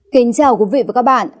kính chào quý vị và các bạn